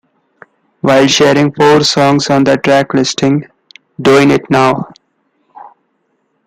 While sharing four songs on their track listing, Doin' It Now!